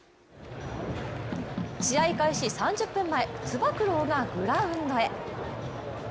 試合開始３０分前、つば九郎がグラウンドへ。